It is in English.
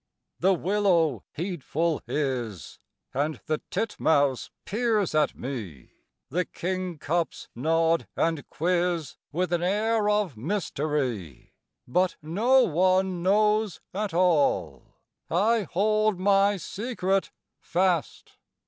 The willow heedful is, And the titmouse peers at me, The kingcups nod and quiz With an air of mystery; But no one knows at all I hold my secret fast!